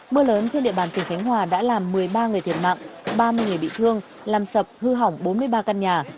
mưa lớn trên địa bàn tỉnh khánh hòa đã làm một mươi ba người thiệt mạng ba mươi người bị thương làm sập hư hỏng bốn mươi ba căn nhà